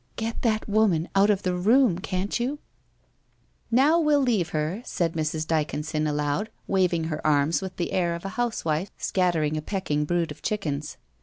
' Get that woman out of the room, can't you ?'' Now, we'll leave her/ said Mrs. Dyconson aloud, waving her arms with the air of a housewife scattering a pecking brood of chickens.